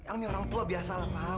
yang ini orang tua biasalah pak